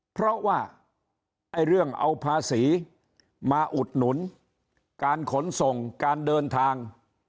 เพราะว่าเรื่องเอาภาษีมาอุดหนุนการขนส่งการเดินทาง